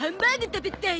食べたい。